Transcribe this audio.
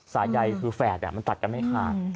สายใยคือแฝดมันตัดกันไม่ขาด